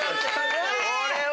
これは。